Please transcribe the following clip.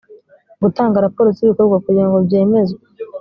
gutanga raporo z’ibikorwa kugira ngo byemezwe